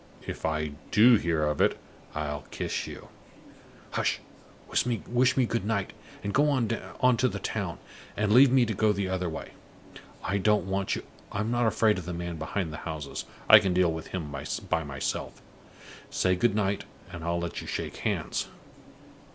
If I do hear of it, I'll kiss you! Hush! Wish me good night, and go on to the town, and leave me to go the other way. I don't want you I'm not afraid of the man behind the houses; I can deal with him by myself. Say goodnight, and I'll let you shake hands.